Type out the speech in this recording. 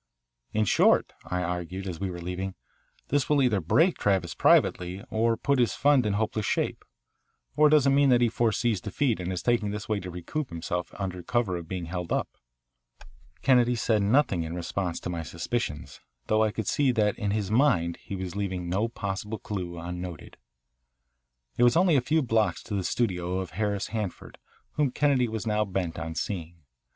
"In short," I argued as we were leaving, "this will either break Travis privately or put his fund in hopeless shape. Or does it mean that he foresees defeat and is taking this way to recoup himself under cover of being held up?" Kennedy said nothing in response to my suspicions, though I could see that in his mind he was leaving no possible clue unnoted. It was only a few blocks to the studio of Harris Hanford, whom Kennedy was now bent on seeing.